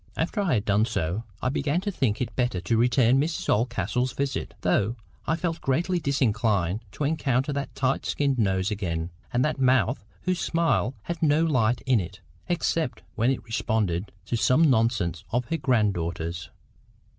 After I had done so, I began to think it better to return Mrs Oldcastle's visit, though I felt greatly disinclined to encounter that tight skinned nose again, and that mouth whose smile had no light in it, except when it responded to some nonsense of her grand daughter's.